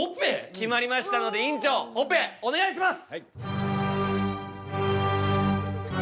決まりましたので院長オペお願いします！